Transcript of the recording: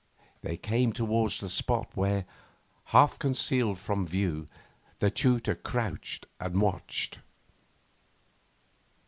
They came towards the spot where, half concealed from view, the tutor crouched and watched.